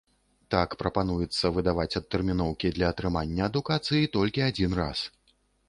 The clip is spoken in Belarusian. Так, прапануецца выдаваць адтэрміноўкі для атрымання адукацыі толькі адзін раз.